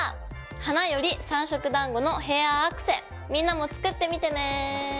花より「三色だんご」のヘアアクセみんなも作ってみてね。